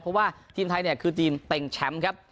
เพราะว่าทีมไทยเนี่ยคือทีมเต็งแชมป์ครับ